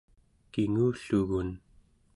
kingullugun